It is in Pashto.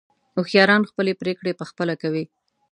هوښیاران خپلې پرېکړې په خپله کوي.